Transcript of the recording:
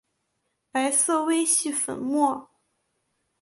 白色微细粉末。